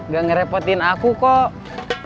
gak ngerepotin aku kok